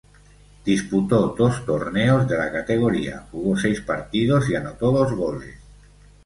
Disputó dos torneos de la categoría, jugó seis partidos y anotó dos goles.